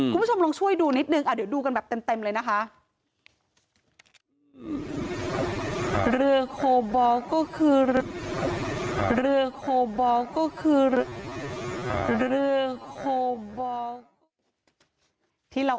คุณผู้ชมลองช่วยดูนิดนึงเดี๋ยวดูกันแบบเต็มเลยนะคะ